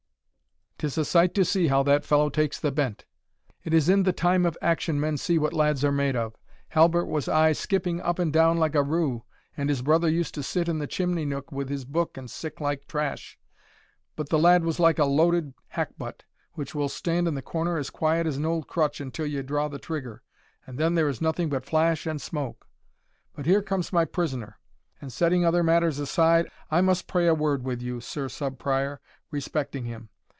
'T is a sight to see how that fellow takes the bent! It is in the time of action men see what lads are made of. Halbert was aye skipping up and down like a roo, and his brother used to sit in the chimney nook with his book and sic like trash But the lad was like a loaded hackbut, which will stand in the corner as quiet as an old crutch until ye draw the trigger, and then there is nothing but flash and smoke. But here comes my prisoner; and, setting other matters aside, I must pray a word with you, Sir Sub Prior, respecting him.